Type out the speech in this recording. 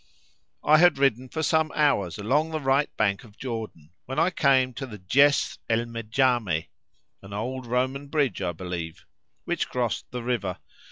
I had ridden for some hours along the right bank of Jordan when I came to the Djesr el Medjamé (an old Roman bridge, I believe), which crossed the river.